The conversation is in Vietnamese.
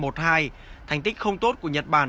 thành tích không tốt của nhật bản